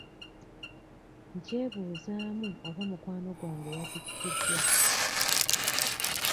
Nkyebuuzaamu oba mukwano gwange yatikiddwa.